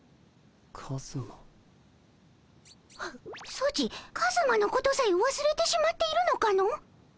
ソチカズマのことさえわすれてしまっているのかの？